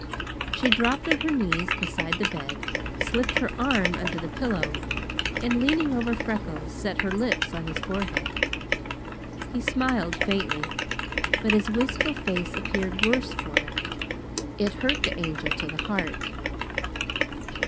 She dropped on her knees beside the bed, slipped her arm under the pillow, and leaning over Freckles, set her lips on his forehead. He smiled faintly, but his wistful face appeared worse for it. It hurt the Angel to the heart.